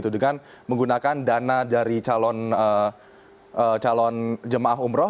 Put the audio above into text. dengan menggunakan dana dari calon jemaah umroh